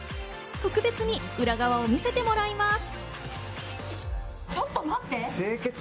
特別に裏側を見せてもらいます。